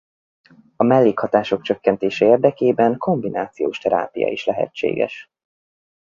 A mellékhatások csökkentése érdekében kombinációs terápia is lehetséges.